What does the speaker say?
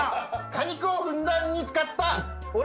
果肉をふんだんに使ったオレンジ。